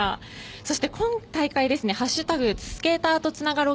そして今大会、「＃スケーターとつながろう」